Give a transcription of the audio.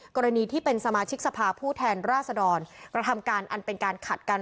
กรณีที่เป็นสมาชิกสภาผู้แทนราษดรกระทำการอันเป็นการขัดกัน